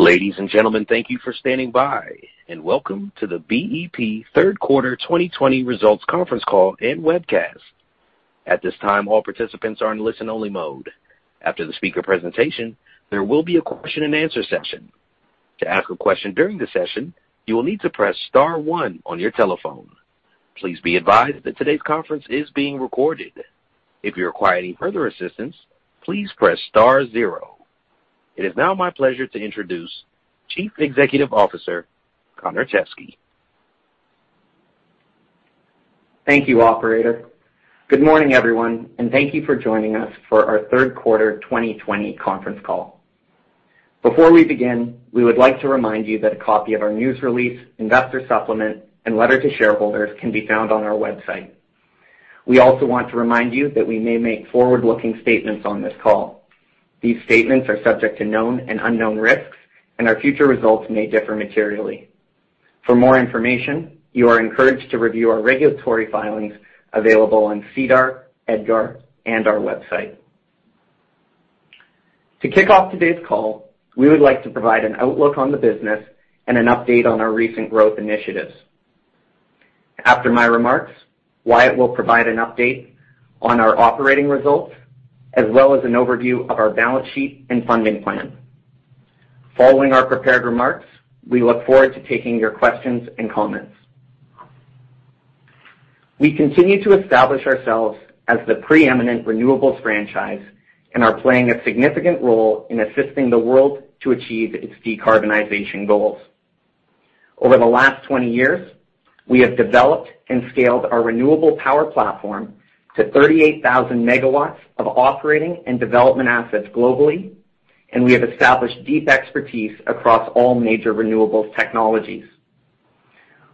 Ladies and gentlemen, thank you for standing by, and welcome to the BEP third quarter 2020 results conference call and webcast. At this time, all participants are in listen only mode. After the speaker presentation, there will be a question and answer session. To ask a question during the session, you will need to press star one on your telephone. Please be advised that today's conference is being recorded. If you require any further assistance, please press star zero. It is now my pleasure to introduce Chief Executive Officer, Connor Teskey. Thank you, operator. Good morning, everyone, and thank you for joining us for our third quarter 2020 conference call. Before we begin, we would like to remind you that a copy of our news release, investor supplement, and letter to shareholders can be found on our website. We also want to remind you that we may make forward-looking statements on this call. These statements are subject to known and unknown risks, and our future results may differ materially. For more information, you are encouraged to review our regulatory filings available on SEDAR, EDGAR, and our website. To kick off today's call, we would like to provide an outlook on the business and an update on our recent growth initiatives. After my remarks, Wyatt will provide an update on our operating results, as well as an overview of our balance sheet and funding plan. Following our prepared remarks, we look forward to taking your questions and comments. We continue to establish ourselves as the preeminent renewables franchise and are playing a significant role in assisting the world to achieve its decarbonization goals. Over the last 20 years, we have developed and scaled our renewable power platform to 38,000 MW of operating and development assets globally, and we have established deep expertise across all major renewables technologies.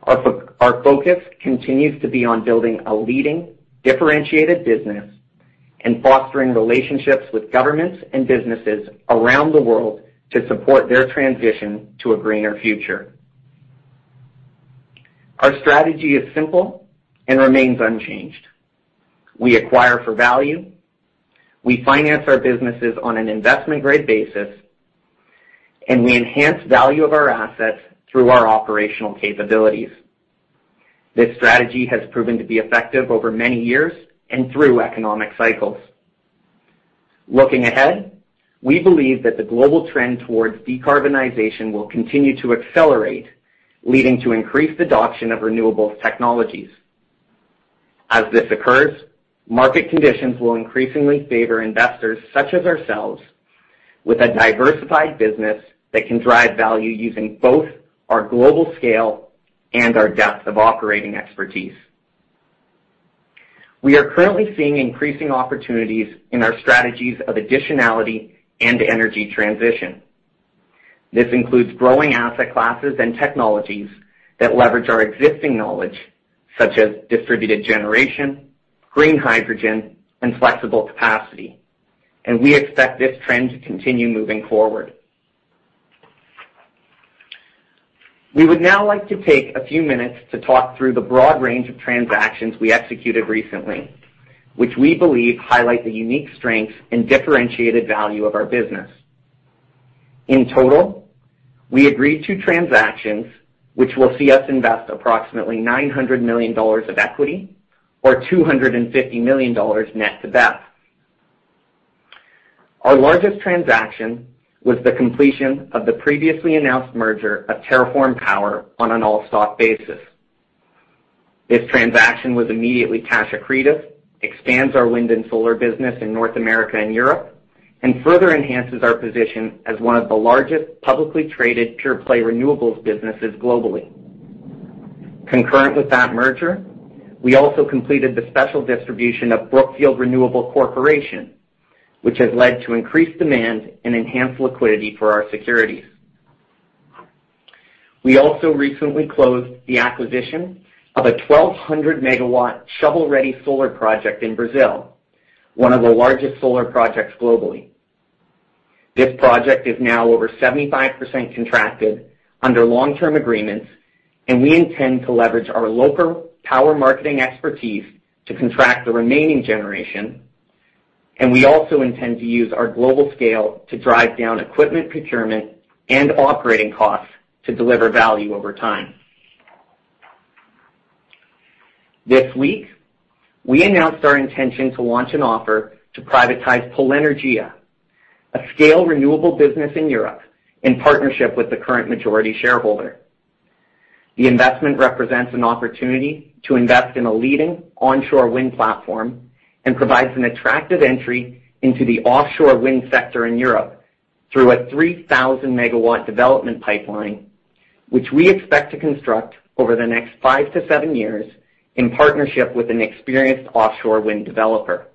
Our focus continues to be on building a leading differentiated business and fostering relationships with governments and businesses around the world to support their transition to a greener future. Our strategy is simple and remains unchanged. We acquire for value, we finance our businesses on an investment-grade basis, and we enhance value of our assets through our operational capabilities. This strategy has proven to be effective over many years and through economic cycles. Looking ahead, we believe that the global trend towards decarbonization will continue to accelerate, leading to increased adoption of renewables technologies. As this occurs, market conditions will increasingly favor investors such as ourselves with a diversified business that can drive value using both our global scale and our depth of operating expertise. We are currently seeing increasing opportunities in our strategies of additionality and energy transition. This includes growing asset classes and technologies that leverage our existing knowledge, such as distributed generation, green hydrogen, and flexible capacity, and we expect this trend to continue moving forward. We would now like to take a few minutes to talk through the broad range of transactions we executed recently, which we believe highlight the unique strengths and differentiated value of our business. In total, we agreed to transactions which will see us invest approximately $900 million of equity or $250 million net to BEP. Our largest transaction was the completion of the previously announced merger of TerraForm Power on an all-stock basis. This transaction was immediately cash accretive, expands our wind and solar business in North America and Europe, and further enhances our position as one of the largest publicly traded pure-play renewables businesses globally. Concurrent with that merger, we also completed the special distribution of Brookfield Renewable Corporation, which has led to increased demand and enhanced liquidity for our securities. We also recently closed the acquisition of a 1,200-MW shovel-ready solar project in Brazil, one of the largest solar projects globally. This project is now over 75% contracted under long-term agreements, and we intend to leverage our local power marketing expertise to contract the remaining generation, and we also intend to use our global scale to drive down equipment procurement and operating costs to deliver value over time. This week, we announced our intention to launch an offer to privatize Polenergia, a scale renewable business in Europe, in partnership with the current majority shareholder. The investment represents an opportunity to invest in a leading onshore wind platform and provides an attractive entry into the offshore wind sector in Europe through a 3,000-MW development pipeline, which we expect to construct over the next five to seven years in partnership with an experienced offshore wind developer.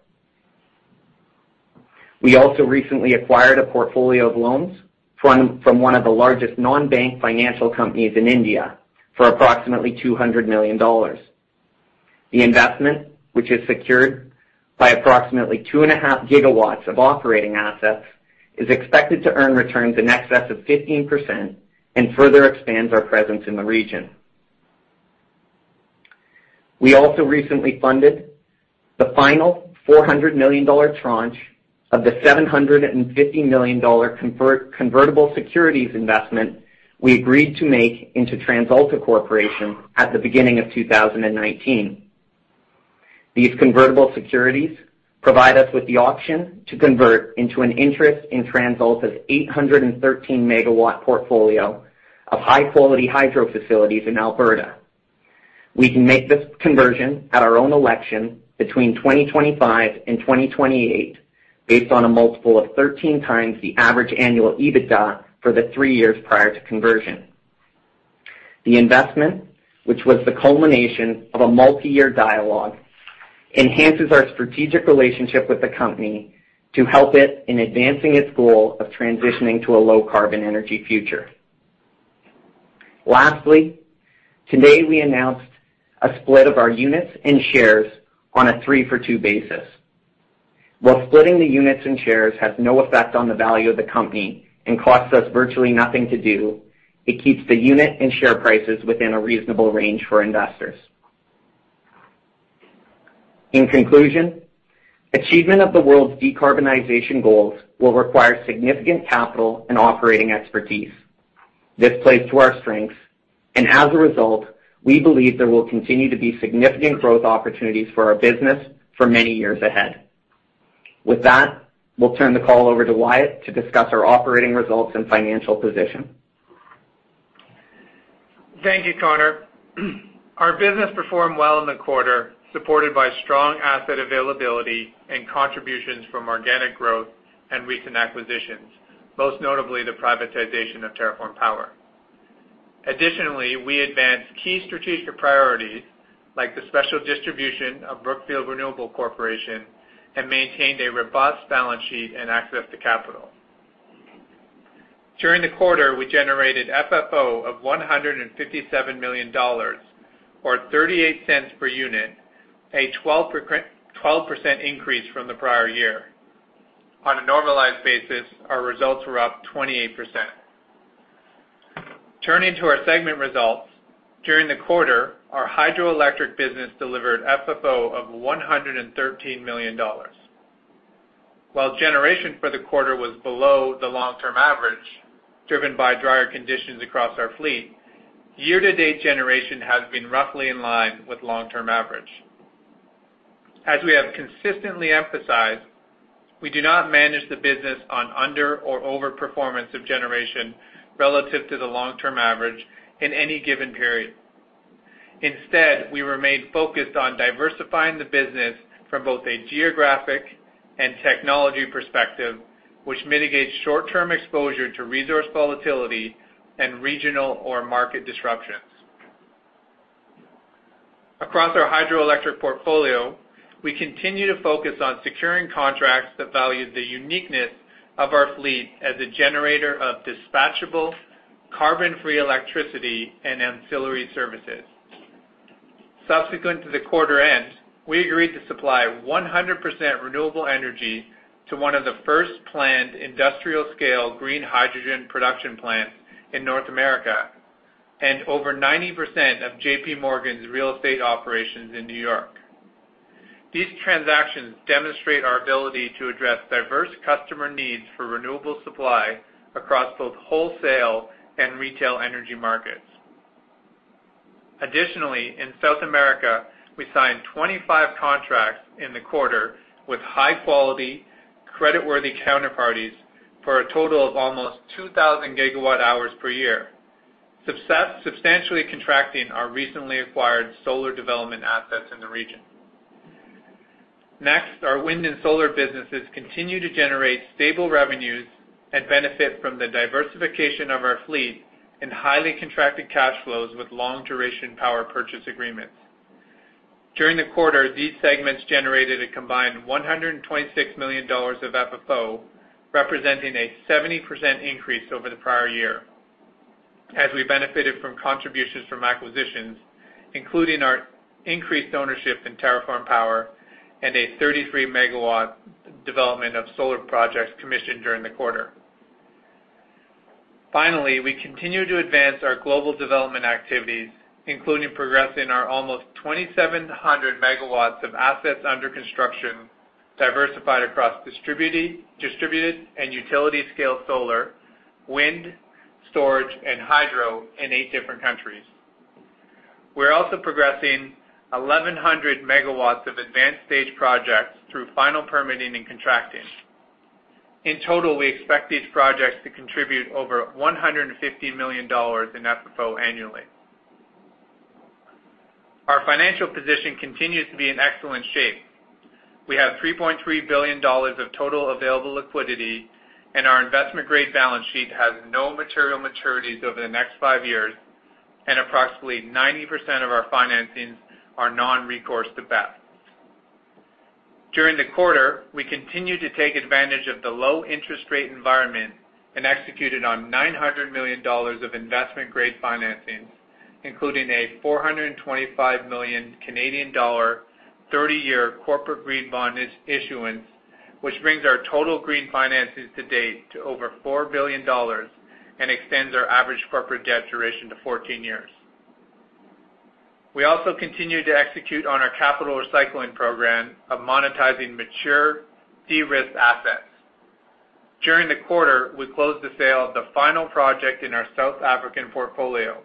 We also recently acquired a portfolio of loans from one of the largest non-bank financial companies in India for approximately $200 million. The investment, which is secured by approximately 2.5 GW of operating assets, is expected to earn returns in excess of 15% and further expands our presence in the region. We also recently funded the final $400 million tranche of the $750 million convertible securities investment we agreed to make into TransAlta Corporation at the beginning of 2019. These convertible securities provide us with the option to convert into an interest in TransAlta's 813-MW portfolio of high-quality hydro facilities in Alberta. We can make this conversion at our own election between 2025 and 2028, based on a multiple of 13 x the average annual EBITDA for the three years prior to conversion. The investment, which was the culmination of a multi-year dialogue, enhances our strategic relationship with the company to help it in advancing its goal of transitioning to a low-carbon energy future. Lastly, today we announced a split of our units and shares on a three-for-two basis. While splitting the units and shares has no effect on the value of the company and costs us virtually nothing to do, it keeps the unit and share prices within a reasonable range for investors. In conclusion, achievement of the world's decarbonization goals will require significant capital and operating expertise. This plays to our strengths. As a result, we believe there will continue to be significant growth opportunities for our business for many years ahead. With that, we'll turn the call over to Wyatt to discuss our operating results and financial position. Thank you, Connor. Our business performed well in the quarter, supported by strong asset availability and contributions from organic growth and recent acquisitions, most notably the privatization of TerraForm Power. Additionally, we advanced key strategic priorities, like the special distribution of Brookfield Renewable Corporation, and maintained a robust balance sheet and access to capital. During the quarter, we generated FFO of $157 million, or $0.38 per unit, a 12% increase from the prior year. On a normalized basis, our results were up 28%. Turning to our segment results, during the quarter, our hydroelectric business delivered FFO of $113 million. While generation for the quarter was below the long-term average, driven by drier conditions across our fleet, year-to-date generation has been roughly in line with long-term average. As we have consistently emphasized, we do not manage the business on under or over performance of generation relative to the long-term average in any given period. Instead, we remain focused on diversifying the business from both a geographic and technology perspective, which mitigates short-term exposure to resource volatility and regional or market disruptions. Across our hydroelectric portfolio, we continue to focus on securing contracts that value the uniqueness of our fleet as a generator of dispatchable, carbon-free electricity and ancillary services. Subsequent to the quarter end, we agreed to supply 100% renewable energy to one of the first planned industrial-scale green hydrogen production plants in North America, and over 90% of J.P. Morgan's real estate operations in New York. These transactions demonstrate our ability to address diverse customer needs for renewable supply across both wholesale and retail energy markets. Additionally, in South America, we signed 25 contracts in the quarter with high-quality, creditworthy counterparties for a total of almost 2,000-GW hours per year, substantially contracting our recently acquired solar development assets in the region. Our wind and solar businesses continue to generate stable revenues and benefit from the diversification of our fleet and highly contracted cash flows with long-duration power purchase agreements. During the quarter, these segments generated a combined $126 million of FFO, representing a 70% increase over the prior year as we benefited from contributions from acquisitions, including our increased ownership in TerraForm Power and a 33-MW development of solar projects commissioned during the quarter. We continue to advance our global development activities, including progressing our almost 2,700 MW of assets under construction, diversified across distributed and utility-scale solar, wind, storage, and hydro in eight different countries. We're also progressing 1,100 MW of advanced stage projects through final permitting and contracting. In total, we expect these projects to contribute over $150 million in FFO annually. Our financial position continues to be in excellent shape. We have $3.3 billion of total available liquidity, and our investment-grade balance sheet has no material maturities over the next five years, and approximately 90% of our financings are non-recourse to BEP. During the quarter, we continued to take advantage of the low interest rate environment and executed on $900 million of investment-grade financings, including a 425 million Canadian dollar 30-year corporate green bond issuance. Which brings our total green financings to date to over $4 billion and extends our average corporate debt duration to 14 years. We also continue to execute on our capital recycling program of monetizing mature, de-risked assets. During the quarter, we closed the sale of the final project in our South African portfolio.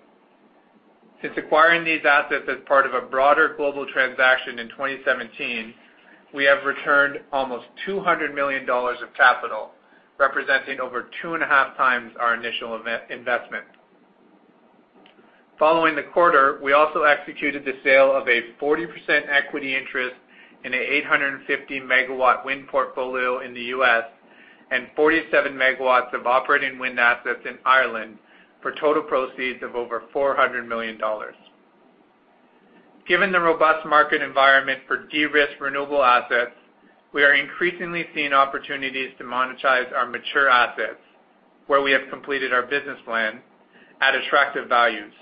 Since acquiring these assets as part of a broader global transaction in 2017, we have returned almost $200 million of capital, representing over 2.5 x our initial investment. Following the quarter, we also executed the sale of a 40% equity interest in an 850-MW wind portfolio in the U.S. and 47 MW of operating wind assets in Ireland for total proceeds of over $400 million. Given the robust market environment for de-risked renewable assets, we are increasingly seeing opportunities to monetize our mature assets, where we have completed our business plan at attractive values.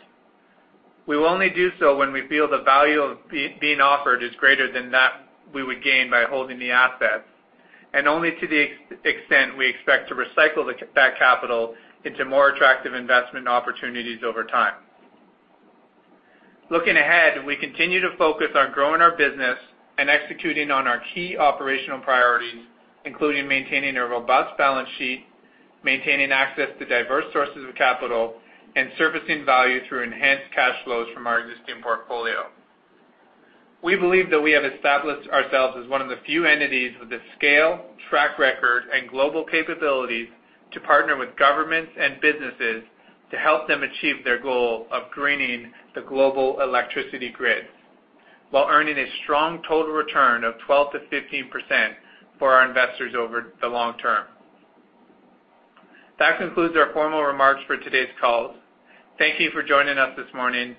We will only do so when we feel the value being offered is greater than that we would gain by holding the assets, and only to the extent we expect to recycle that capital into more attractive investment opportunities over time. Looking ahead, we continue to focus on growing our business and executing on our key operational priorities, including maintaining a robust balance sheet, maintaining access to diverse sources of capital, and surfacing value through enhanced cash flows from our existing portfolio. We believe that we have established ourselves as one of the few entities with the scale, track record and global capabilities to partner with governments and businesses to help them achieve their goal of greening the global electricity grid, while earning a strong total return of 12%-15% for our investors over the long term. That concludes our formal remarks for today's call. Thank you for joining us this morning.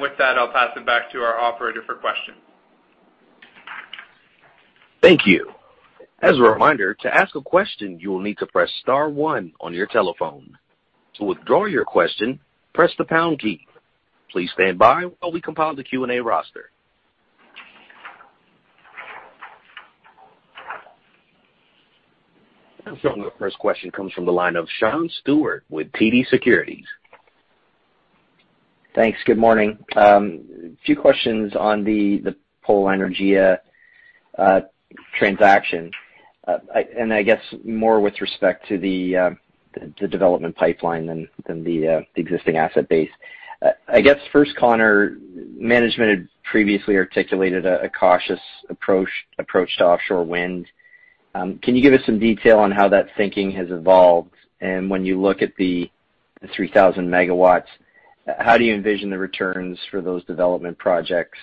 With that, I'll pass it back to our operator for questions. Thank you. As a reminder, to ask a question, you will need to press star one on your telephone. To withdraw your question, press the pound key. Please stand by while we compile the Q&A roster. The first question comes from the line of Sean Steuart with TD Securities. Thanks. Good morning. Few questions on the Polenergia transaction, I guess more with respect to the development pipeline than the existing asset base. I guess first, Connor, management had previously articulated a cautious approach to offshore wind. Can you give us some detail on how that thinking has evolved? When you look at the 3,000 MW, how do you envision the returns for those development projects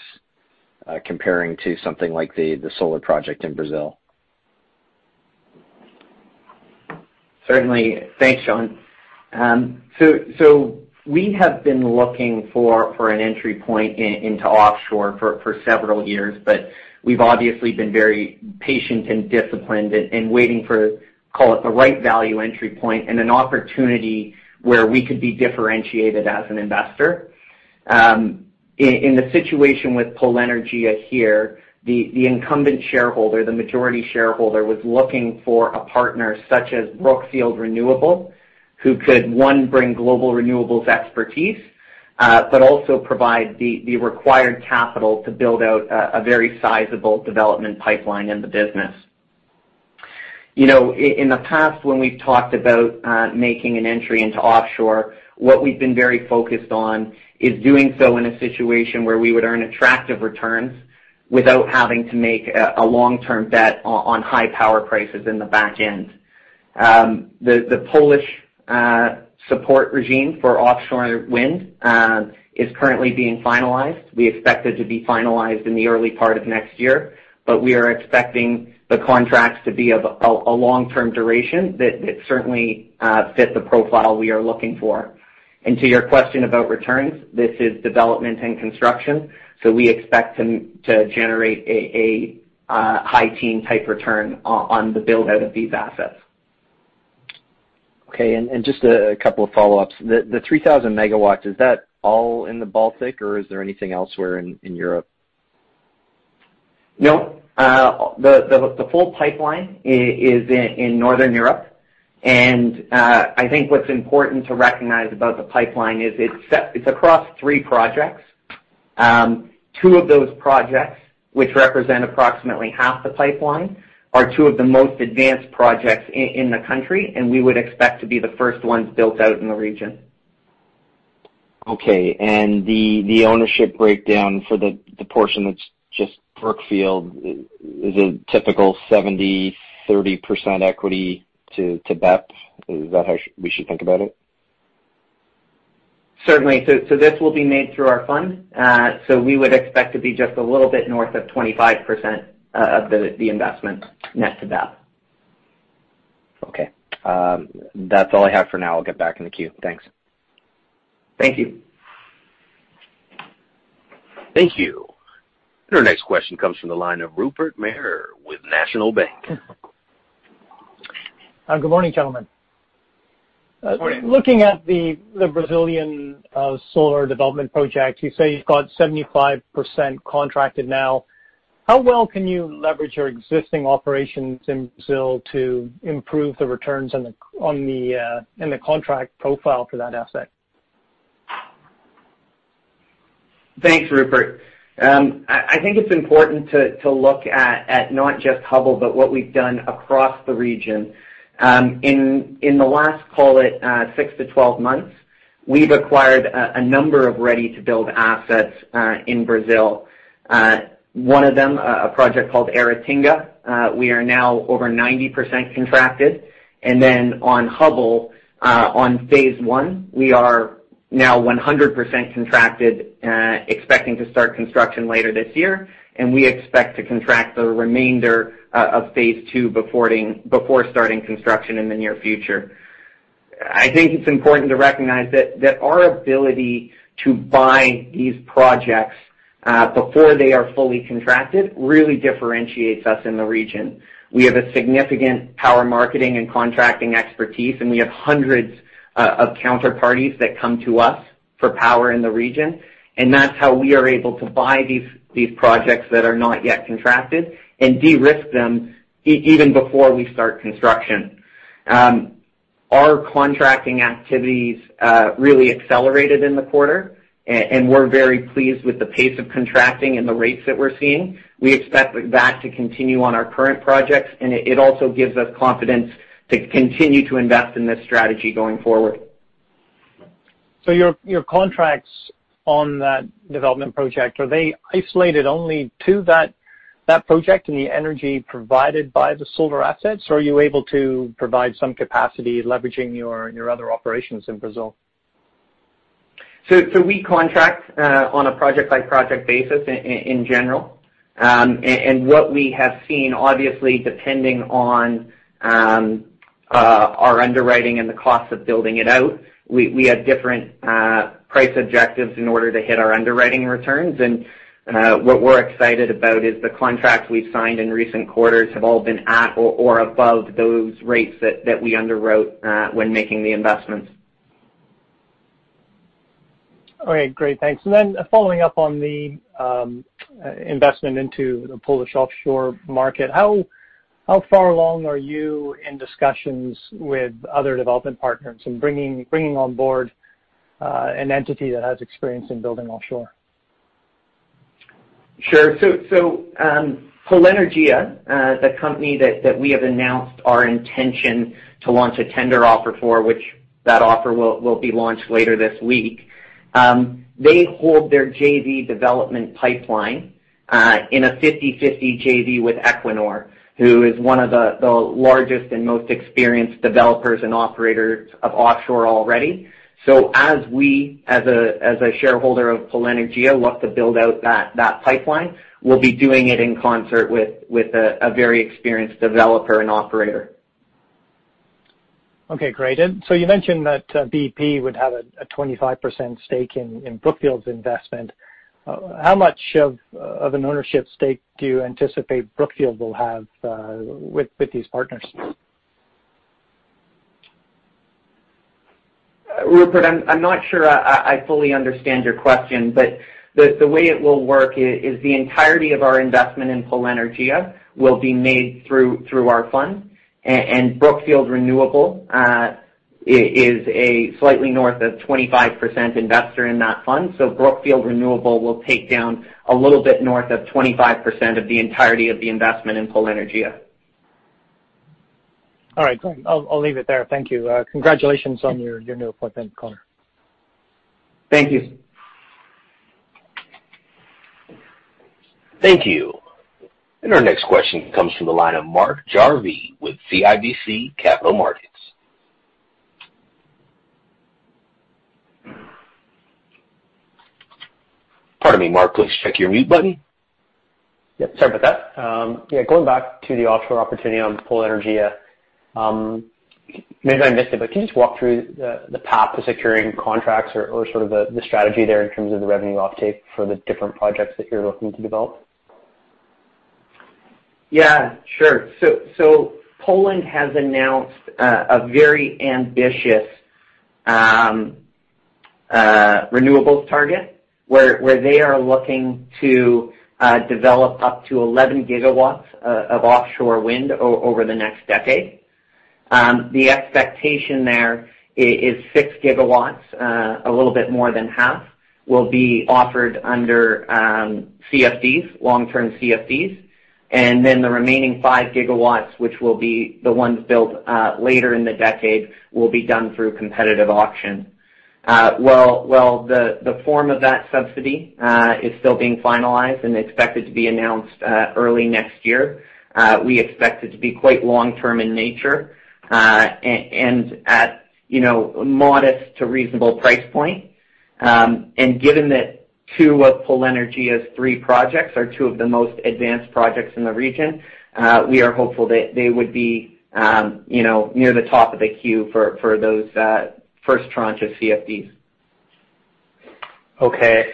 comparing to something like the solar project in Brazil? Certainly. Thanks, Sean. We have been looking for an entry point into offshore for several years, but we've obviously been very patient and disciplined and waiting for, call it, the right value entry point and an opportunity where we could be differentiated as an investor. In the situation with Polenergia here, the incumbent shareholder, the majority shareholder, was looking for a partner such as Brookfield Renewable, who could, one, bring global renewables expertise, but also provide the required capital to build out a very sizable development pipeline in the business. In the past, when we've talked about making an entry into offshore, what we've been very focused on is doing so in a situation where we would earn attractive returns without having to make a long-term bet on high power prices in the back end. The Polish support regime for offshore wind is currently being finalized. We expect it to be finalized in the early part of next year. We are expecting the contracts to be of a long-term duration that certainly fits the profile we are looking for. To your question about returns, this is development and construction. We expect to generate a high teen-type return on the build-out of these assets. Okay, just a couple of follow-ups. The 3,000 MW, is that all in the Baltic, or is there anything elsewhere in Europe? No. The full pipeline is in Northern Europe. I think what's important to recognize about the pipeline is it's across three projects. Two of those projects, which represent approximately half the pipeline, are two of the most advanced projects in the country, and we would expect to be the first ones built out in the region. Okay. The ownership breakdown for the portion that's just Brookfield, is it typical 70%, 30% equity to BEP? Is that how we should think about it? Certainly. This will be made through our fund. We would expect to be just a little bit north of 25% of the investment net to that. Okay. That's all I have for now. I'll get back in the queue. Thanks. Thank you. Thank you. Our next question comes from the line of Rupert Merer with National Bank. Good morning, gentlemen. Good morning. Looking at the Brazilian solar development project, you say you've got 75% contracted now. How well can you leverage your existing operations in Brazil to improve the returns in the contract profile for that asset? Thanks, Rupert. I think it's important to look at not just Hubble, but what we've done across the region. In the last, call it 6-12 months, we've acquired a number of ready-to-build assets in Brazil. One of them, a project called Aratinga, we are now over 90% contracted. Then on Hubble, on phase I, we are now 100% contracted, expecting to start construction later this year. We expect to contract the remainder of phase II before starting construction in the near future. I think it's important to recognize that our ability to buy these projects before they are fully contracted really differentiates us in the region. We have a significant power marketing and contracting expertise, and we have hundreds of counterparties that come to us for power in the region. That's how we are able to buy these projects that are not yet contracted and de-risk them even before we start construction. Our contracting activities really accelerated in the quarter, and we're very pleased with the pace of contracting and the rates that we're seeing. We expect that to continue on our current projects, and it also gives us confidence to continue to invest in this strategy going forward. Your contracts on that development project, are they isolated only to that project and the energy provided by the solar assets? Or are you able to provide some capacity leveraging your other operations in Brazil? We contract on a project-by-project basis in general. What we have seen, obviously depending on our underwriting and the cost of building it out, we have different price objectives in order to hit our underwriting returns. What we're excited about is the contracts we've signed in recent quarters have all been at or above those rates that we underwrote when making the investments. Okay, great. Thanks. Following up on the investment into the Polish offshore market, how far along are you in discussions with other development partners in bringing on board an entity that has experience in building offshore? Sure. Polenergia, the company that we have announced our intention to launch a tender offer, for which that offer will be launched later this week. They hold their JV development pipeline in a 50-50 JV with Equinor, who is one of the largest and most experienced developers and operators of offshore already. As we, as a shareholder of Polenergia, look to build out that pipeline, we'll be doing it in concert with a very experienced developer and operator. Okay, great. You mentioned that BEP would have a 25% stake in Brookfield's investment. How much of an ownership stake do you anticipate Brookfield will have with these partners? Rupert, I'm not sure I fully understand your question, the way it will work is the entirety of our investment in Polenergia will be made through our fund, Brookfield Renewable is a slightly north of 25% investor in that fund. Brookfield Renewable will take down a little bit north of 25% of the entirety of the investment in Polenergia. All right, great. I'll leave it there. Thank you. Congratulations on your new appointment, Connor. Thank you. Thank you. Our next question comes from the line of Mark Jarvi with CIBC Capital Markets. Pardon me, Mark, please check your mute button. Yep, sorry about that. Going back to the offshore opportunity on Polenergia, maybe I missed it, but can you just walk through the path to securing contracts or sort of the strategy there in terms of the revenue offtake for the different projects that you're looking to develop? Yeah, sure. Poland has announced a very ambitious renewables target where they are looking to develop up to 11 GW of offshore wind over the next decade. The expectation there is 6 GW, a little bit more than half, will be offered under CFDs, long-term CFDs. And then the remaining 5 GW, which will be the ones built later in the decade, will be done through competitive auction. While the form of that subsidy is still being finalized and expected to be announced early next year. We expect it to be quite long-term in nature, and at modest to reasonable price point. And given that two of Polenergia's three projects are two of the most advanced projects in the region, we are hopeful that they would be near the top of the queue for those first tranche of CFDs. Okay.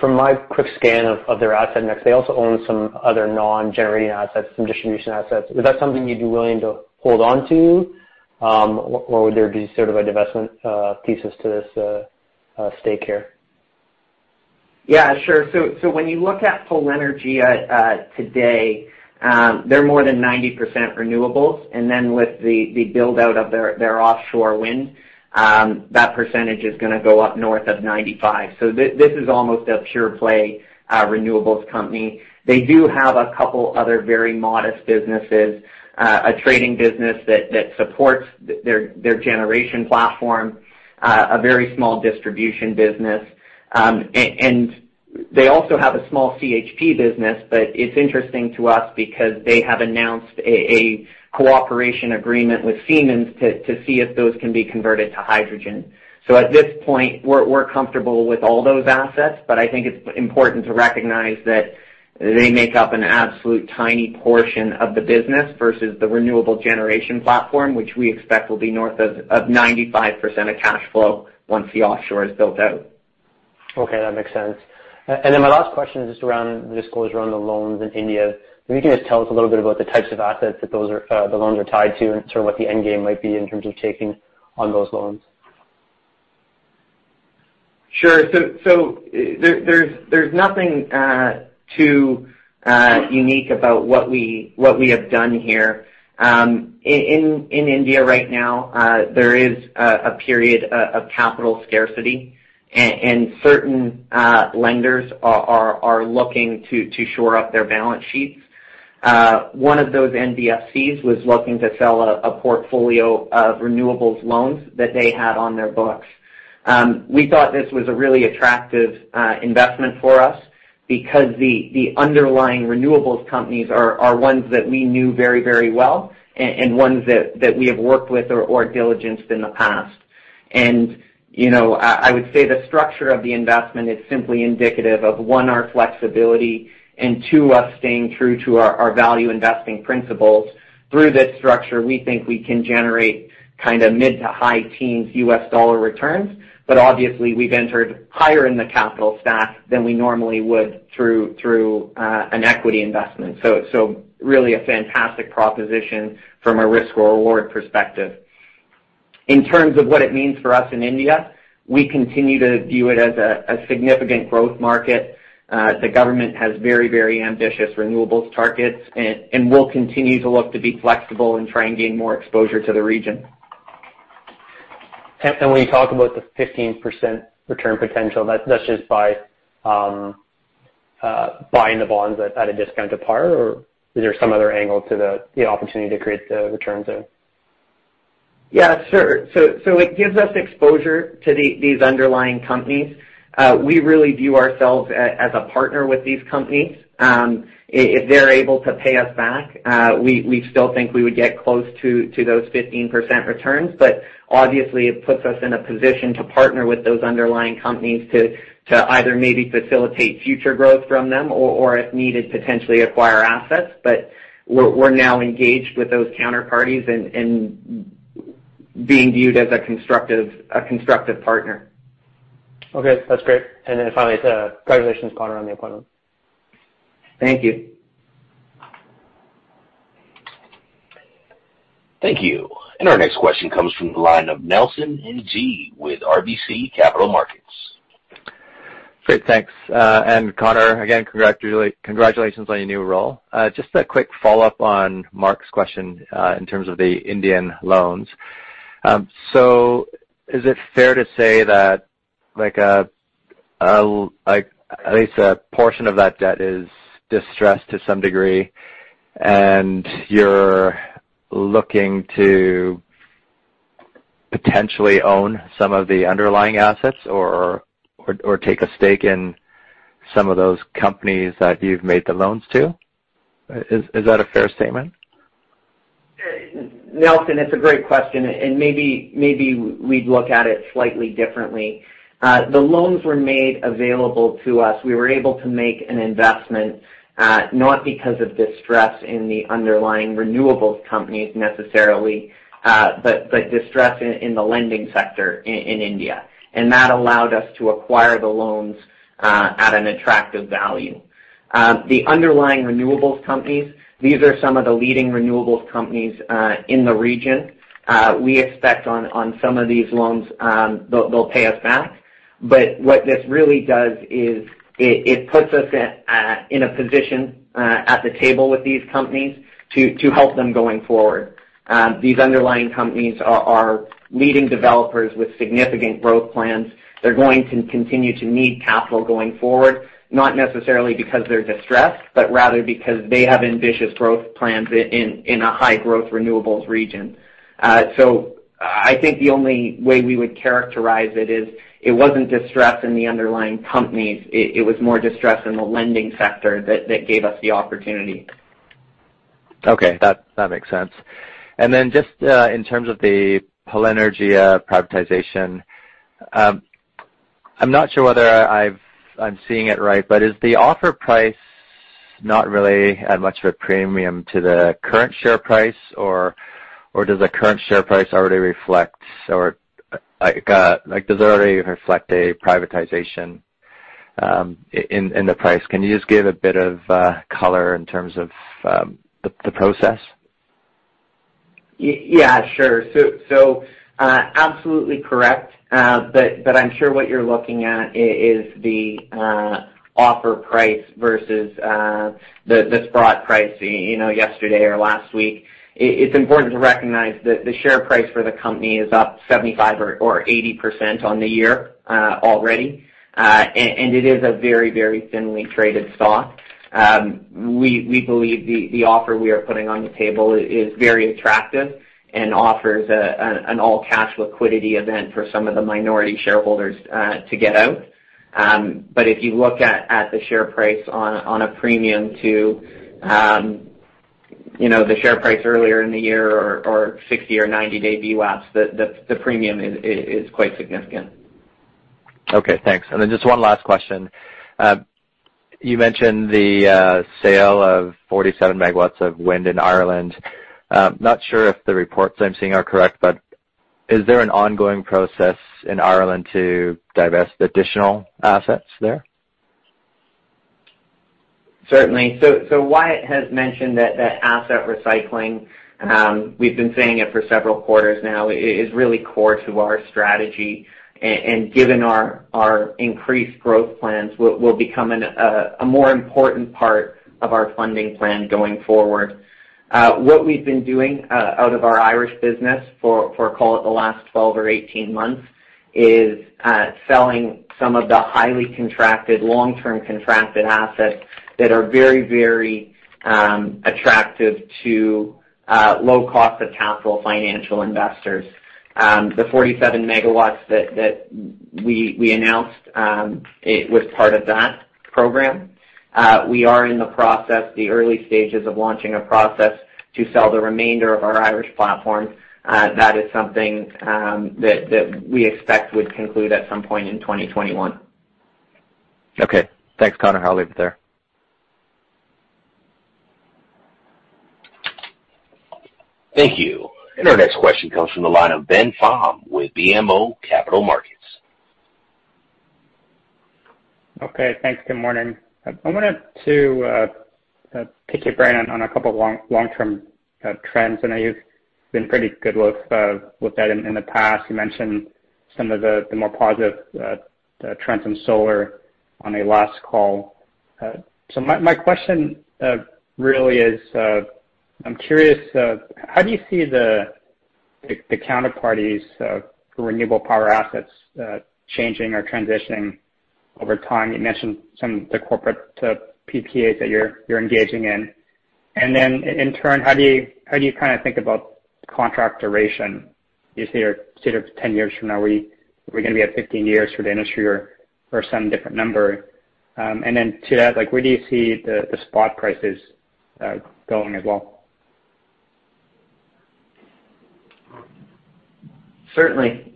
From my quick scan of their asset mix, they also own some other non-generating assets, some distribution assets. Is that something you'd be willing to hold on to, or would there be sort of a divestment thesis to this stake here? Yeah, sure. When you look at Polenergia today, they're more than 90% renewables. With the build-out of their offshore wind, that percentage is going to go up north of 95%. This is almost a pure play renewables company. They do have a couple other very modest businesses, a trading business that supports their generation platform, a very small distribution business. They also have a small CHP business, but it's interesting to us because they have announced a cooperation agreement with Siemens to see if those can be converted to hydrogen. At this point, we're comfortable with all those assets, but I think it's important to recognize that they make up an absolute tiny portion of the business versus the renewable generation platform, which we expect will be north of 95% of cash flow once the offshore is built out. Okay. That makes sense. My last question is just around the disclosure around the loans in India. Can you just tell us a little bit about the types of assets that the loans are tied to and sort of what the end game might be in terms of taking on those loans? Sure. There's nothing too unique about what we have done here. In India right now, there is a period of capital scarcity, and certain lenders are looking to shore up their balance sheets. One of those NBFCs was looking to sell a portfolio of renewables loans that they had on their books. We thought this was a really attractive investment for us because the underlying renewables companies are ones that we knew very, very well and ones that we have worked with or diligenced in the past. I would say the structure of the investment is simply indicative of, one, our flexibility, and two, us staying true to our value investing principles. Through this structure, we think we can generate mid to high teens U.S. dollar returns, but obviously we've entered higher in the capital stack than we normally would through an equity investment. Really a fantastic proposition from a risk-reward perspective. In terms of what it means for us in India, we continue to view it as a significant growth market. The government has very, very ambitious renewables targets, and we'll continue to look to be flexible and try and gain more exposure to the region. When you talk about the 15% return potential, that's just by buying the bonds at a discount to par? Is there some other angle to the opportunity to create the returns there? Yeah, sure. It gives us exposure to these underlying companies. We really view ourselves as a partner with these companies. If they're able to pay us back, we still think we would get close to those 15% returns. Obviously it puts us in a position to partner with those underlying companies to either maybe facilitate future growth from them or, if needed, potentially acquire assets. We're now engaged with those counterparties and being viewed as a constructive partner. Okay. That's great. Finally, congratulations, Connor, on the appointment. Thank you. Thank you. Our next question comes from the line of Nelson Ng with RBC Capital Markets. Great. Thanks. Connor, again, congratulations on your new role. Just a quick follow-up on Mark's question in terms of the Indian loans. Is it fair to say that at least a portion of that debt is distressed to some degree, and you're looking to potentially own some of the underlying assets or take a stake in some of those companies that you've made the loans to? Is that a fair statement? Nelson, it's a great question, and maybe we'd look at it slightly differently. The loans were made available to us. We were able to make an investment, not because of distress in the underlying renewables companies necessarily, but distress in the lending sector in India. That allowed us to acquire the loans at an attractive value. The underlying renewables companies, these are some of the leading renewables companies in the region. We expect on some of these loans, they'll pay us back. What this really does is it puts us in a position at the table with these companies to help them going forward. These underlying companies are leading developers with significant growth plans. They're going to continue to need capital going forward, not necessarily because they're distressed, but rather because they have ambitious growth plans in a high-growth renewables region. I think the only way we would characterize it is it wasn't distress in the underlying companies. It was more distress in the lending sector that gave us the opportunity. Okay. That makes sense. Just in terms of the Polenergia privatization, I'm not sure whether I'm seeing it right, but is the offer price not really add much of a premium to the current share price, or does the current share price already reflect a privatization in the price? Can you just give a bit of color in terms of the process? Yeah, sure. Absolutely correct. I'm sure what you're looking at is the offer price versus the spot price yesterday or last week. It's important to recognize that the share price for the company is up 75% or 80% on the year already. It is a very, very thinly traded stock. We believe the offer we are putting on the table is very attractive and offers an all-cash liquidity event for some of the minority shareholders to get out. If you look at the share price on a premium to the share price earlier in the year or 60- or 90-day VWAPS, the premium is quite significant. Okay, thanks. Just one last question. You mentioned the sale of 47 MW of wind in Ireland. Not sure if the reports I'm seeing are correct, but is there an ongoing process in Ireland to divest additional assets there? Certainly. Wyatt has mentioned that asset recycling, we've been saying it for several quarters now, is really core to our strategy, and given our increased growth plans, will become a more important part of our funding plan going forward. What we've been doing out of our Irish business for, call it the last 12 or 18 months, is selling some of the highly contracted, long-term contracted assets that are very, very attractive to low cost of capital financial investors. The 47 MW that we announced, it was part of that program. We are in the early stages of launching a process to sell the remainder of our Irish platform. That is something that we expect would conclude at some point in 2021. Okay. Thanks, Connor. I'll leave it there. Thank you. Our next question comes from the line of Ben Pham with BMO Capital Markets. Okay, thanks. Good morning. I wanted to pick your brain on a couple of long-term trends. I know you've been pretty good with that in the past. You mentioned some of the more positive trends in solar on a last call. My question really is, I'm curious, how do you see the counterparties for renewable power assets changing or transitioning over time? You mentioned some of the corporate PPAs that you're engaging in. Then in turn, how do you think about contract duration? Do you see, 10 years from now, are we going to be at 15 years for the industry or some different number? Then to that, where do you see the spot prices going as well? Certainly.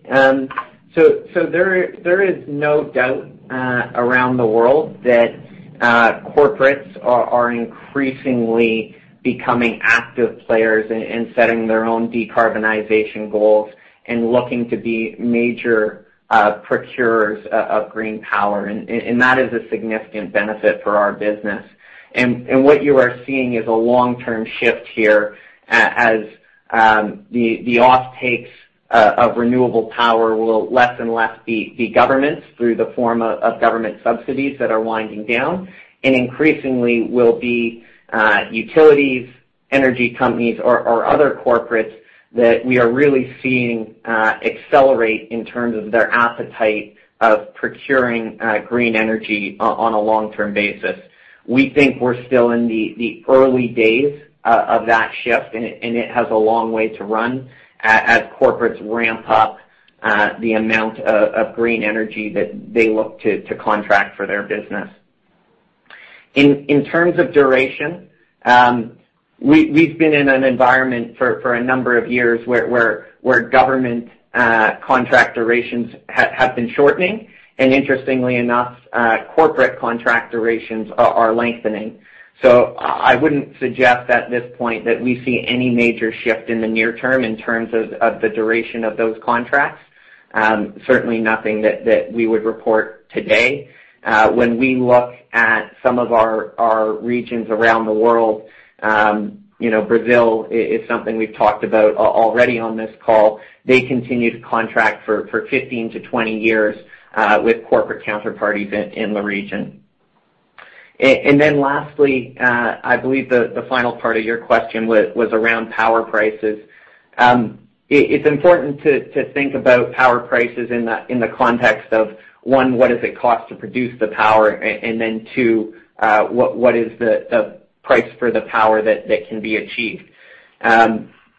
There is no doubt around the world that corporates are increasingly becoming active players in setting their own decarbonization goals and looking to be major procurers of green power, that is a significant benefit for our business. What you are seeing is a long-term shift here as the offtakes of renewable power will less and less be governments through the form of government subsidies that are winding down, increasingly will be utilities, energy companies, or other corporates that we are really seeing accelerate in terms of their appetite of procuring green energy on a long-term basis. We think we're still in the early days of that shift, and it has a long way to run as corporates ramp up the amount of green energy that they look to contract for their business. In terms of duration, we've been in an environment for a number of years where government contract durations have been shortening. Interestingly enough, corporate contract durations are lengthening. I wouldn't suggest at this point that we see any major shift in the near term in terms of the duration of those contracts. Certainly nothing that we would report today. When we look at some of our regions around the world, Brazil is something we've talked about already on this call. They continue to contract for 15 years-20 years with corporate counterparties in the region. Lastly, I believe the final part of your question was around power prices. It's important to think about power prices in the context of, one, what does it cost to produce the power, and then two, what is the price for the power that can be achieved?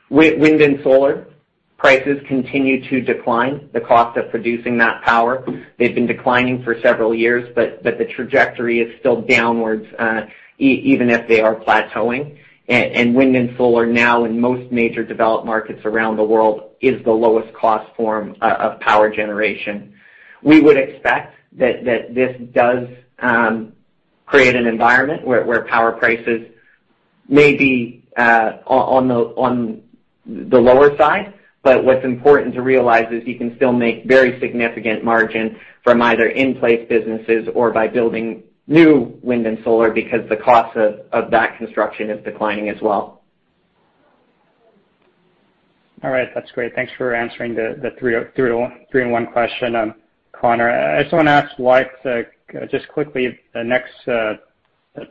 Wind and solar prices continue to decline. The cost of producing that power, they've been declining for several years, but the trajectory is still downwards, even if they are plateauing. Wind and solar now in most major developed markets around the world is the lowest cost form of power generation. We would expect that this does create an environment where power prices may be on the lower side. What's important to realize is you can still make very significant margin from either in-place businesses or by building new wind and solar because the cost of that construction is declining as well. All right. That's great. Thanks for answering the three in one question, Connor. I just want to ask, just quickly, the next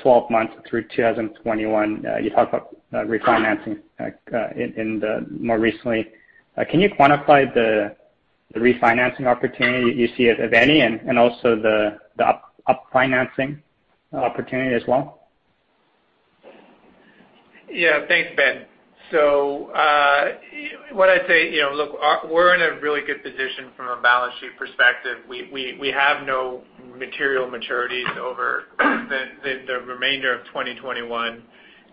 12 months through 2021, you talk about refinancing more recently. Can you quantify the refinancing opportunity you see, if any, and also the up-financing opportunity as well? Thanks, Ben. What I'd say, look, we're in a really good position from a balance sheet perspective. We have no material maturities over the remainder of 2021,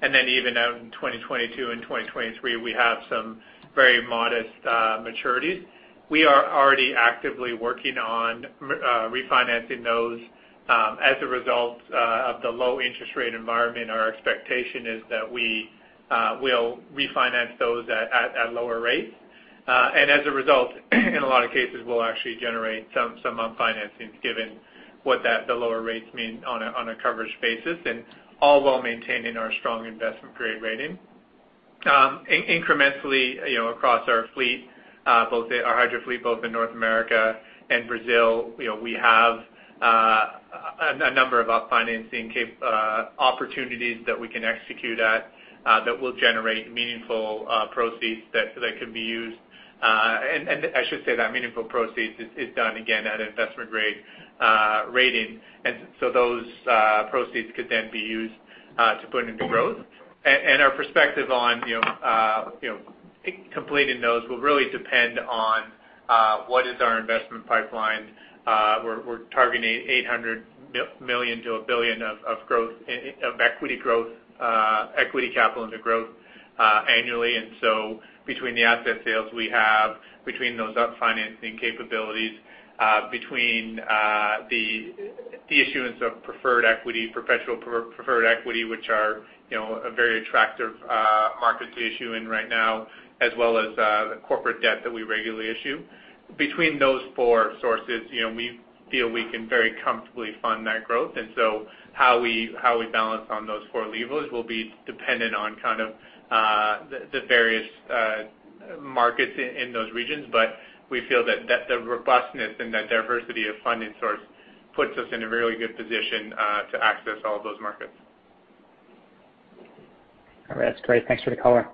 then even out in 2022 and 2023, we have some very modest maturities. We are already actively working on refinancing those. As a result of the low interest rate environment, our expectation is that we will refinance those at lower rates. As a result, in a lot of cases, we'll actually generate some up-financings given what the lower rates mean on a coverage basis, all while maintaining our strong investment-grade rating. Incrementally, across our hydro fleet, both in North America and Brazil, we have a number of up-financing opportunities that we can execute at that will generate meaningful proceeds that could be used. I should say that meaningful proceeds is done, again, at an investment-grade rating. Those proceeds could then be used to put into growth. Our perspective on completing those will really depend on what is our investment pipeline. We're targeting $800 million-$1 billion of equity capital into growth annually. Between the asset sales we have, between those up-financing capabilities, between the issuance of professional preferred equity, which are a very attractive market to issue in right now, as well as the corporate debt that we regularly issue. Between those four sources, we feel we can very comfortably fund that growth. How we balance on those four levers will be dependent on the various markets in those regions. We feel that the robustness and that diversity of funding source puts us in a really good position to access all of those markets. All right. That's great. Thanks for the color.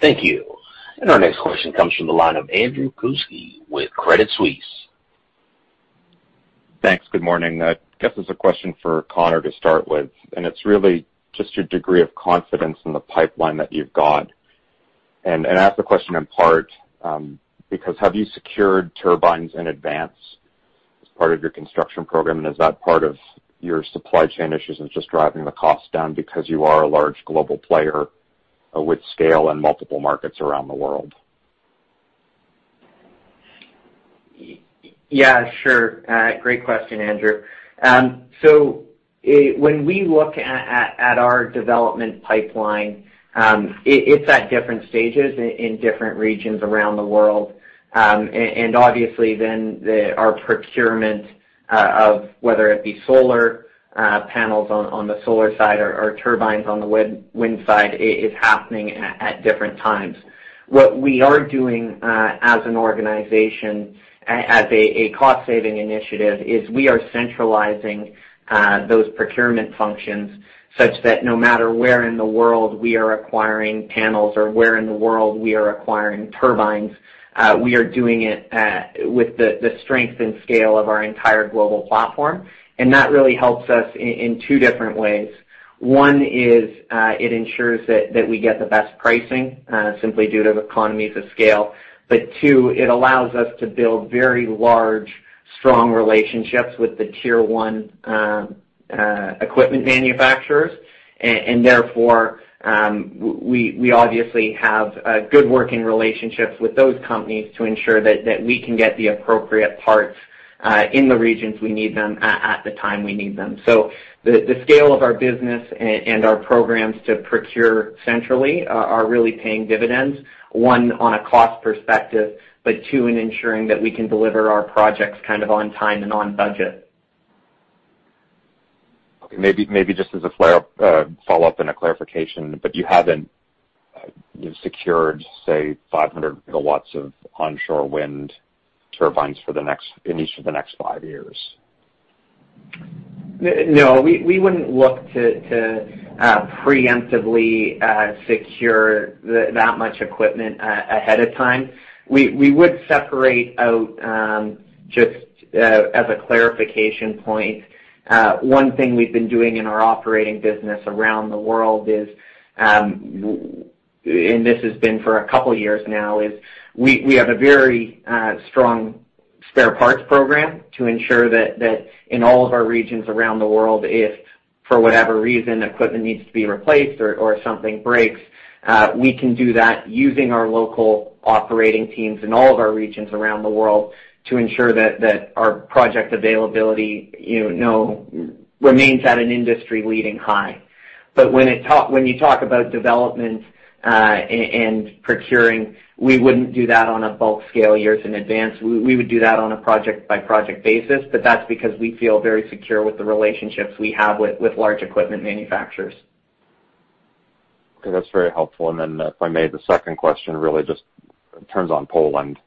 Thank you. Our next question comes from the line of Andrew Kuske with Credit Suisse. Thanks. Good morning. I guess this is a question for Connor to start with, and it's really just your degree of confidence in the pipeline that you've got. I ask the question in part because have you secured turbines in advance as part of your construction program? Is that part of your supply chain issues and just driving the cost down because you are a large global player with scale in multiple markets around the world? Yeah, sure. Great question, Andrew Kuske. When we look at our development pipeline, it's at different stages in different regions around the world. Obviously then our procurement of, whether it be solar panels on the solar side or turbines on the wind side, is happening at different times. What we are doing as an organization, as a cost-saving initiative, is we are centralizing those procurement functions such that no matter where in the world we are acquiring panels or where in the world we are acquiring turbines, we are doing it with the strength and scale of our entire global platform. That really helps us in two different ways. One is it ensures that we get the best pricing simply due to economies of scale. Two, it allows us to build very large, strong relationships with the Tier 1 equipment manufacturers, and therefore, we obviously have good working relationships with those companies to ensure that we can get the appropriate parts in the regions we need them at the time we need them. The scale of our business and our programs to procure centrally are really paying dividends, one, on a cost perspective, but two, in ensuring that we can deliver our projects on time and on budget. Okay, maybe just as a follow-up and a clarification, you haven't secured, say, 500 MW of onshore wind turbines at least for the next five years? No, we wouldn't look to preemptively secure that much equipment ahead of time. We would separate out, just as a clarification point, one thing we've been doing in our operating business around the world is, and this has been for a couple of years now, is we have a very strong spare parts program to ensure that in all of our regions around the world, if for whatever reason equipment needs to be replaced or something breaks, we can do that using our local operating teams in all of our regions around the world to ensure that our project availability remains at an industry-leading high. When you talk about development and procuring, we wouldn't do that on a bulk scale years in advance. We would do that on a project-by-project basis. That's because we feel very secure with the relationships we have with large equipment manufacturers. Okay, that's very helpful. If I may, the second question really just turns on Poland,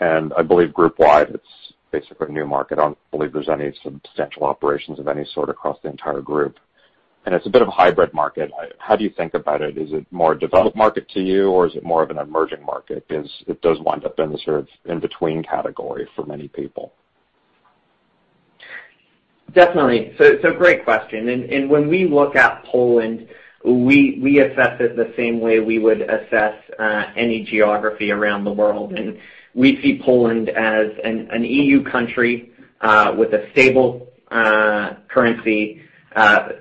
and I believe group-wide, it's basically a new market. I don't believe there's any substantial operations of any sort across the entire group. It's a bit of a hybrid market. How do you think about it? Is it more a developed market to you, or is it more of an emerging market? Because it does wind up in the sort of in-between category for many people. Definitely. It's a great question. When we look at Poland, we assess it the same way we would assess any geography around the world. We see Poland as an EU country with a stable currency,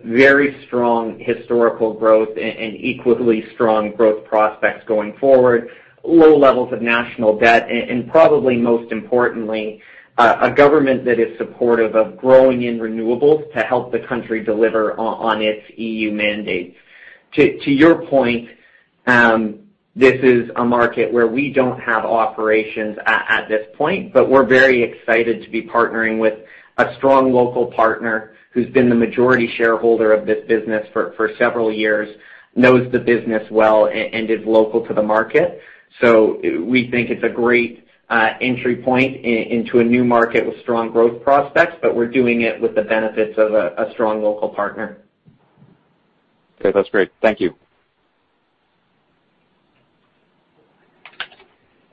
very strong historical growth, and equally strong growth prospects going forward, low levels of national debt, and probably most importantly, a government that is supportive of growing in renewables to help the country deliver on its EU mandate. To your point, this is a market where we don't have operations at this point, but we're very excited to be partnering with a strong local partner who's been the majority shareholder of this business for several years, knows the business well, and is local to the market. We think it's a great entry point into a new market with strong growth prospects, but we're doing it with the benefits of a strong local partner. Okay. That's great. Thank you.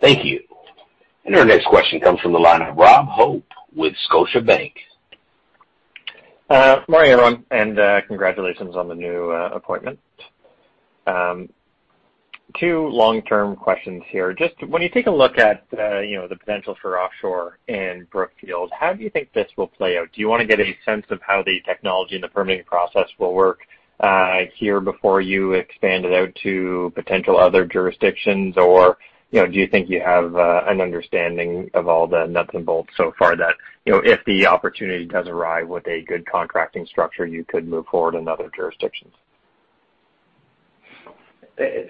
Thank you. Our next question comes from the line of Rob Hope with Scotiabank. Morning, everyone, and congratulations on the new appointment. Two long-term questions here. When you take a look at the potential for offshore and Brookfield, how do you think this will play out? Do you want to get a sense of how the technology and the permitting process will work here before you expand it out to potential other jurisdictions? Do you think you have an understanding of all the nuts and bolts so far that if the opportunity does arrive with a good contracting structure, you could move forward in other jurisdictions?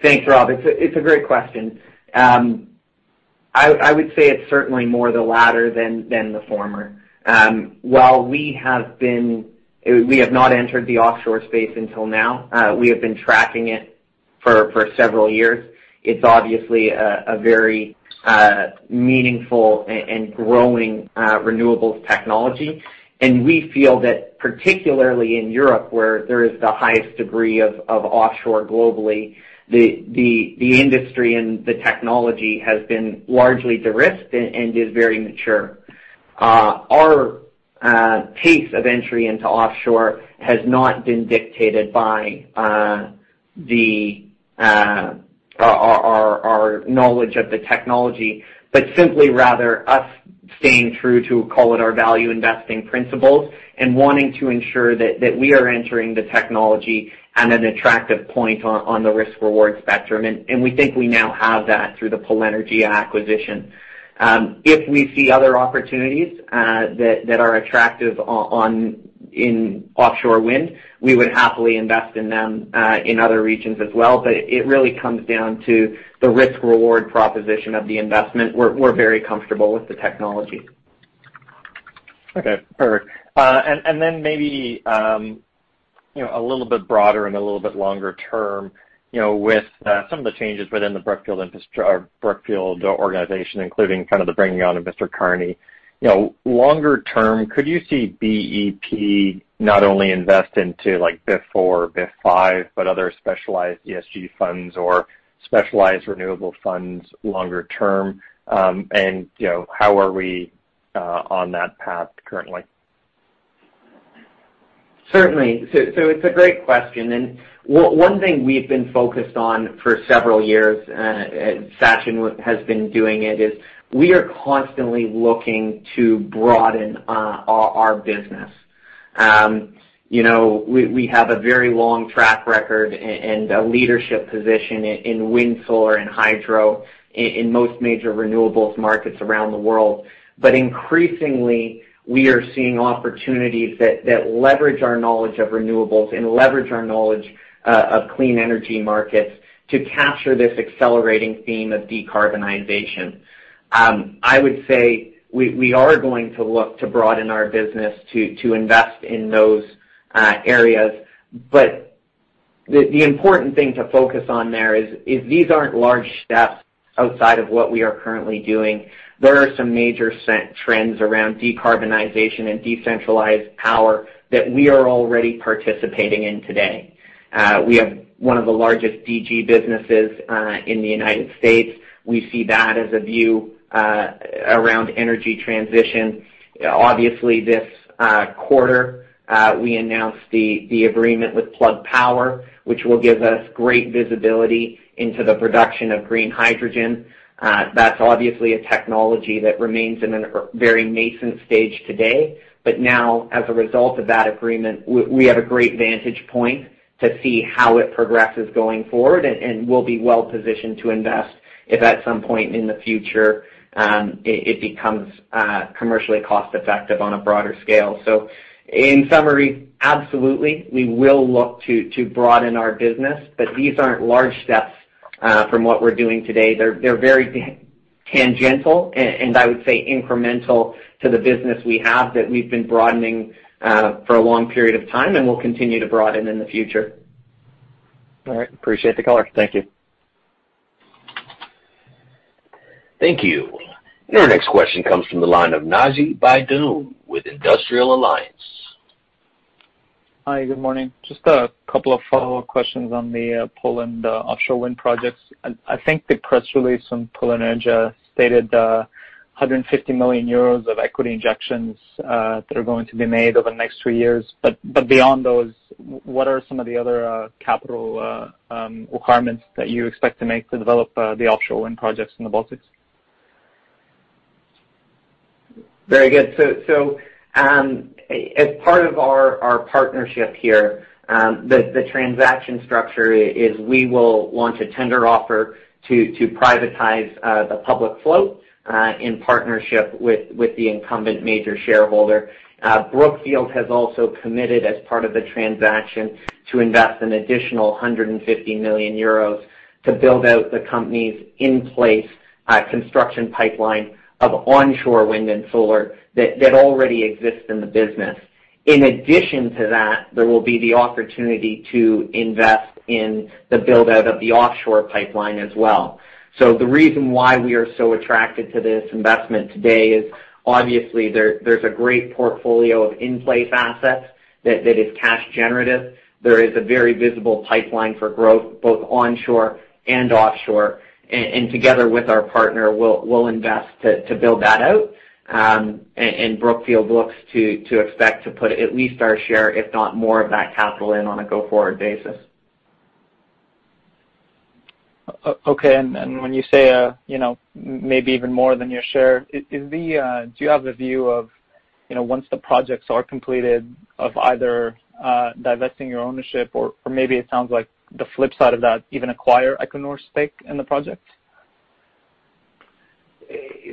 Thanks, Rob. It's a great question. I would say it's certainly more the latter than the former. While we have not entered the offshore space until now, we have been tracking it for several years. It's obviously a very meaningful and growing renewables technology. We feel that particularly in Europe, where there is the highest degree of offshore globally, the industry and the technology has been largely de-risked and is very mature. Our pace of entry into offshore has not been dictated by our knowledge of the technology, but simply rather us staying true to, call it, our value investing principles and wanting to ensure that we are entering the technology at an attractive point on the risk-reward spectrum. We think we now have that through the Polenergia acquisition. If we see other opportunities that are attractive in offshore wind, we would happily invest in them in other regions as well. It really comes down to the risk-reward proposition of the investment. We're very comfortable with the technology. Okay, perfect. Then maybe a little bit broader and a little bit longer term, with some of the changes within the Brookfield organization, including kind of the bringing on of Mr. Carney. Longer term, could you see BEP not only invest into like BIF IV, BIF V, but other specialized ESG funds or specialized renewable funds longer term? How are we on that path currently? Certainly. It's a great question, and one thing we've been focused on for several years, and Sachin has been doing it, is we are constantly looking to broaden our business. We have a very long track record and a leadership position in wind, solar, and hydro in most major renewables markets around the world. Increasingly, we are seeing opportunities that leverage our knowledge of renewables and leverage our knowledge of clean energy markets to capture this accelerating theme of decarbonization. I would say we are going to look to broaden our business to invest in those areas. The important thing to focus on there is these aren't large steps outside of what we are currently doing, there are some major trends around decarbonization and decentralized power that we are already participating in today. We have one of the largest DG businesses in the U.S. We see that as a view around energy transition. This quarter, we announced the agreement with Plug Power, which will give us great visibility into the production of green hydrogen. That's obviously a technology that remains in a very nascent stage today. Now, as a result of that agreement, we have a great vantage point to see how it progresses going forward, and we'll be well-positioned to invest if at some point in the future, it becomes commercially cost-effective on a broader scale. In summary, absolutely, we will look to broaden our business. These aren't large steps from what we're doing today. They're very tangential, and I would say incremental to the business we have that we've been broadening for a long period of time and will continue to broaden in the future. All right. Appreciate the color. Thank you. Thank you. Our next question comes from the line of Naji Baydoun with Industrial Alliance. Hi, good morning. Just a couple of follow-up questions on the Poland offshore wind projects. I think the press release from Polenergia stated 150 million euros of equity injections that are going to be made over the next three years. Beyond those, what are some of the other capital requirements that you expect to make to develop the offshore wind projects in the Baltics? Very good. As part of our partnership here, the transaction structure is we will launch a tender offer to privatize the public float in partnership with the incumbent major shareholder. Brookfield has also committed, as part of the transaction, to invest an additional 150 million euros to build out the company's in-place construction pipeline of onshore wind and solar that already exists in the business. In addition to that, there will be the opportunity to invest in the build-out of the offshore pipeline as well. The reason why we are so attracted to this investment today is obviously there's a great portfolio of in-place assets that is cash generative. There is a very visible pipeline for growth, both onshore and offshore. Together with our partner, we'll invest to build that out. Brookfield looks to expect to put at least our share, if not more of that capital in, on a go-forward basis. Okay. When you say maybe even more than your share, do you have the view of once the projects are completed, of either divesting your ownership or maybe it sounds like the flip side of that, even acquire Equinor's stake in the project?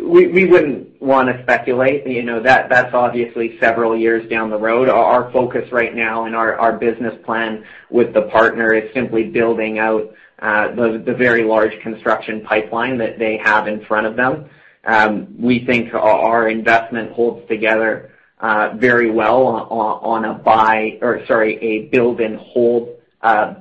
We wouldn't want to speculate. That's obviously several years down the road. Our focus right now and our business plan with the partner is simply building out the very large construction pipeline that they have in front of them. We think our investment holds together very well on a build and hold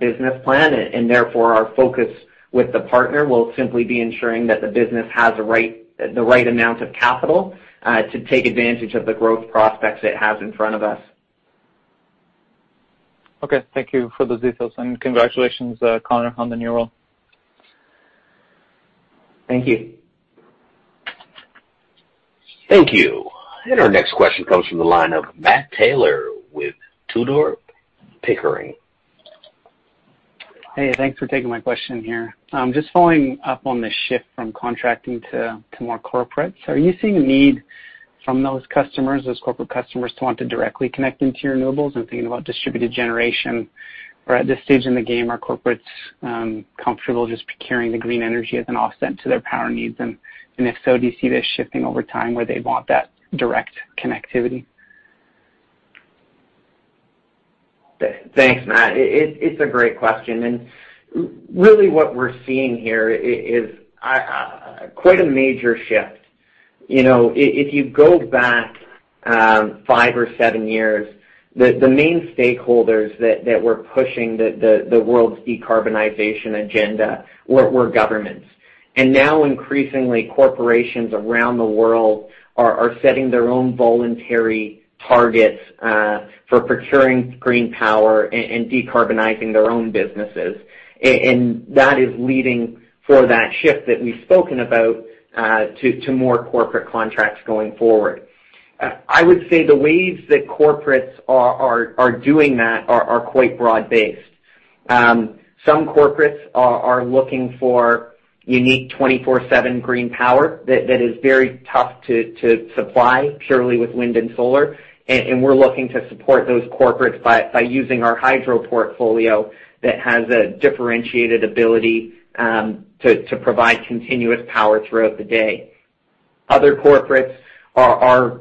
business plan, and therefore our focus with the partner will simply be ensuring that the business has the right amount of capital to take advantage of the growth prospects it has in front of us. Okay. Thank you for those details, and congratulations, Connor, on the new role. Thank you. Thank you. Our next question comes from the line of Matt Taylor with Tudor, Pickering. Hey, thanks for taking my question here. Just following up on the shift from contracting to more corporates. Are you seeing a need from those customers, those corporate customers, to want to directly connect into your renewables and thinking about distributed generation? At this stage in the game, are corporates comfortable just procuring the green energy as an offset to their power needs? If so, do you see this shifting over time where they want that direct connectivity? Thanks, Matt. It's a great question. Really what we're seeing here is quite a major shift. If you go back five or seven years, the main stakeholders that were pushing the world's decarbonization agenda were governments. Now, increasingly, corporations around the world are setting their own voluntary targets for procuring green power and decarbonizing their own businesses. That is leading for that shift that we've spoken about to more corporate contracts going forward. I would say the ways that corporates are doing that are quite broad-based. Some corporates are looking for unique 24/7 green power that is very tough to supply purely with wind and solar. We're looking to support those corporates by using our hydro portfolio that has a differentiated ability to provide continuous power throughout the day. Other corporates are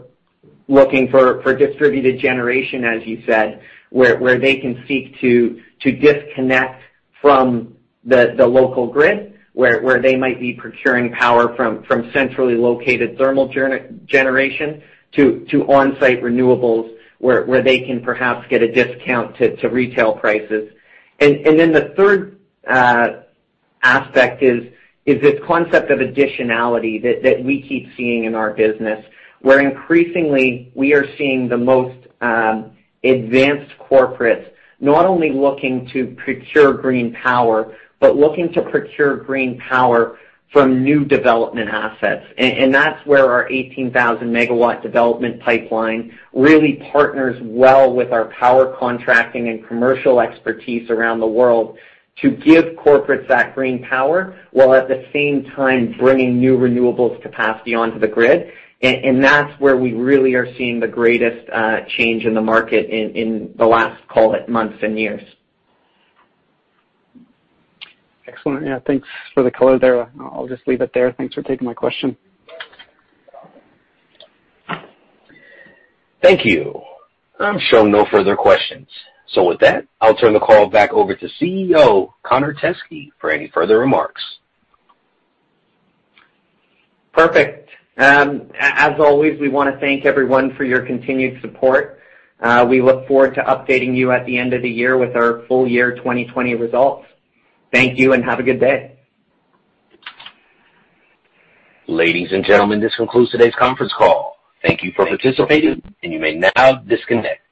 looking for distributed generation, as you said, where they can seek to disconnect from the local grid, where they might be procuring power from centrally located thermal generation to on-site renewables, where they can perhaps get a discount to retail prices. The third aspect is this concept of additionality that we keep seeing in our business, where increasingly we are seeing the most advanced corporates not only looking to procure green power, but looking to procure green power from new development assets. That's where our 18,000-MW development pipeline really partners well with our power contracting and commercial expertise around the world to give corporates that green power, while at the same time bringing new renewables capacity onto the grid. That's where we really are seeing the greatest change in the market in the last, call it, months and years. Excellent. Yeah, thanks for the color there. I'll just leave it there. Thanks for taking my question. Thank you. I'm shown no further questions. With that, I'll turn the call back over to CEO Connor Teskey for any further remarks. Perfect. As always, we want to thank everyone for your continued support. We look forward to updating you at the end of the year with our full year 2020 results. Thank you and have a good day. Ladies and gentlemen, this concludes today's conference call. Thank you for participating, and you may now disconnect.